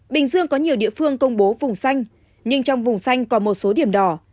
bình dương có nhiều địa phương công bố vùng xanh nhưng trong vùng xanh còn một số điểm đỏ